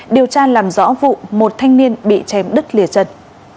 điều tra làm rõ vụ một thanh niên bị chém đứt lìa chân